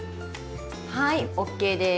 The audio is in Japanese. はいＯＫです。